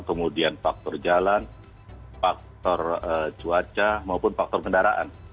kemudian faktor jalan faktor cuaca maupun faktor kendaraan